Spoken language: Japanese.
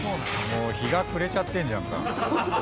もう日が暮れちゃってるじゃんか。